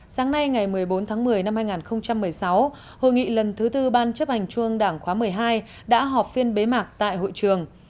sáng nay ngày một mươi bốn tháng một mươi năm hai nghìn một mươi sáu hội nghị lần thứ tư ban chấp hành trung ương đảng khóa một mươi hai đã họp phiên bế mạc tại hội trường